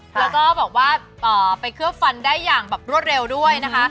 แล้วก็บอกว่าไปเคลือบฟันได้อย่างแบบรวดเร็วด้วยนะคะ